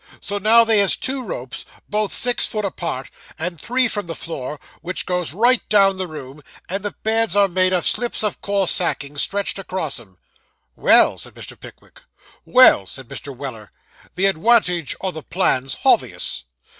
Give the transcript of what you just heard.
So now they has two ropes, 'bout six foot apart, and three from the floor, which goes right down the room; and the beds are made of slips of coarse sacking, stretched across 'em.' 'Well,' said Mr. Pickwick. 'Well,' said Mr. Weller, 'the adwantage o' the plan's hobvious.